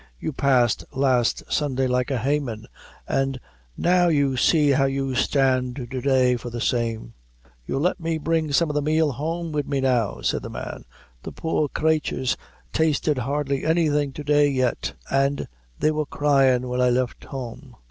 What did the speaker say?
You passed last Sunday like a haythen, an' now you see how you stand to day for the same." "You'll let me bring some o' the meal home wid me now," said the man; "the poor cratures tasted hardly anything to day yet, an' they wor cryin' whin I left home.